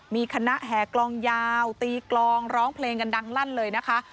มีคณะแห่กลองยาวตีกลองร้องเพลงกันดังลั่นเลยนะคะ